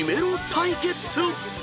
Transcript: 対決］